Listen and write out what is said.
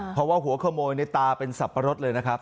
เพราะว่าหัวขโมยในตาเป็นสับปะรดเลยนะครับ